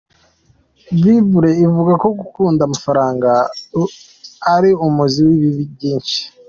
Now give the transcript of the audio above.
Bible ivuga ko "gukunda amafaranga ari umuzi w’ibibi byinshi".